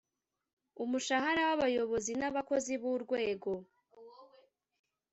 umushahara w abayobozi n abakozi b urwego